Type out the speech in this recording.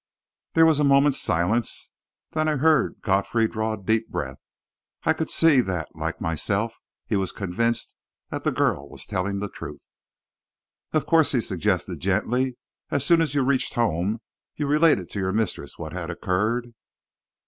There was a moment's silence; then I heard Godfrey draw a deep breath. I could see that, like myself, he was convinced that the girl was telling the truth. "Of course," he suggested gently, "as soon as you reached home you related to your mistress what had occurred?"